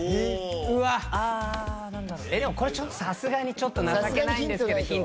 これちょっとさすがにちょっと情けないんですけど。